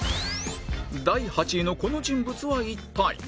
第８位のこの人物は一体？